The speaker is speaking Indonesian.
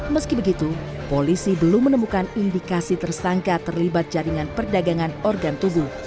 meski begitu polisi belum menemukan indikasi tersangka terlibat jaringan perdagangan organ tubuh